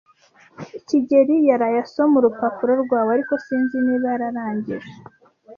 kigeli yaraye asoma urupapuro rwawe, ariko sinzi niba yararangije.